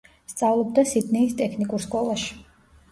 სწავლობდა სიდნეის ტექნიკურ სკოლაში.